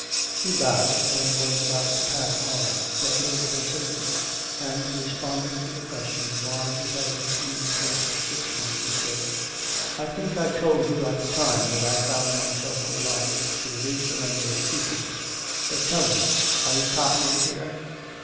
He bowed, and was about to pass on; but Mildred insisted, and, responding to the question why he had refused her subscription, he said: 'I think I told you at the time that I found myself obliged to reduce the number of pupils. But, tell me, are you copying here?'